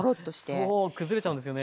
そう崩れちゃうんですよね。